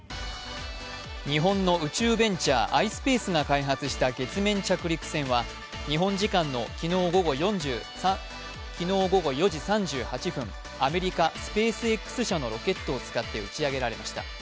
日本の宇宙ベンチャーｉｓｐａｃｅが開発した月面着陸船は日本時間の昨日午後４時３８分、アメリカ・スペースＸ社のロケットを使って打ち上げられました。